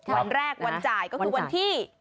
วันแรกวันจ่ายก็คือวันที่